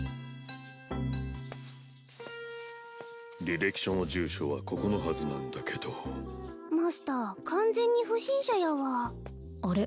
履歴書の住所はここのはずなんだけどマスター完全に不審者やわあれ？